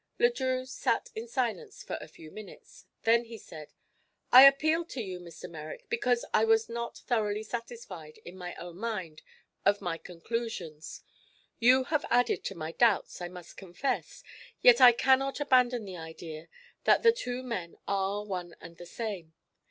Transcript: Le Drieux sat in silence for a few minutes. Then he said: "I appealed to you, Mr. Merrick, because I was not thoroughly satisfied, in my own mind, of my conclusions. You have added to my doubts, I must confess, yet I cannot abandon the idea that the two men are one and the same.